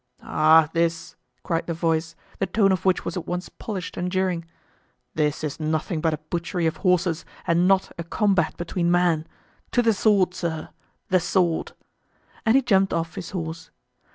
"Ah! this," cried the voice, the tone of which was at once polished and jeering, "this is nothing but a butchery of horses and not a combat between men. To the sword, sir! the sword!" And he jumped off his horse.